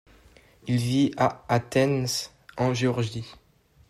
Il vit à Athens en Géorgie.